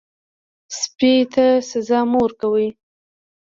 سپي ته سزا مه ورکوئ.